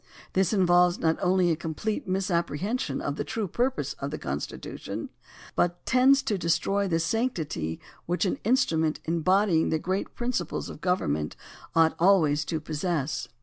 This involves not only a complete misapprehension of the true purposes of the Constitu tion, but tends to destroy the sanctity which an in strument embodying great general principles of govern ment ought always to possess.